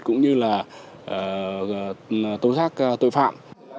cũng như là tối giác tội phạm